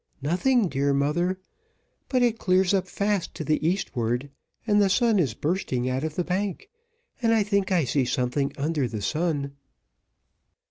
"Nothing, dear mother; but it clears up fast to the eastward, and the sun is bursting out of the bank, and I think I see something under the sun."